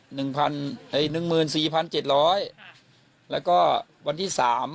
หนึ่งพันไอ้หนึ่งหมื่นสี่พันเจ็ดร้อยแล้วก็วันที่สาม